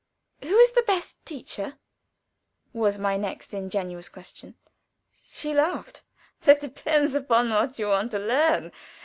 "Who is the best teacher?" was my next ingenuous question. She laughed. "That depends upon what you want to learn.